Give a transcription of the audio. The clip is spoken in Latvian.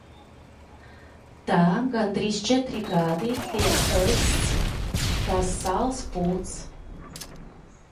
Tā gandrīz četri gadi tiek ēsts tas sāls puds.